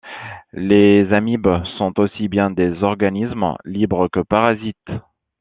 Les amibes sont aussi bien des organismes libres que parasites.